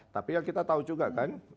tapi ya kita tahu juga kan